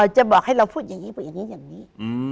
จะบอกให้เราพูดอย่างนี้เป็นอย่างนี้อย่างนี้